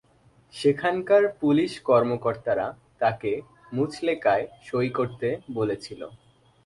সেখানকার পুলিশ কর্মকর্তারা তাকে মুচলেকায় সই করতে বলেছিল।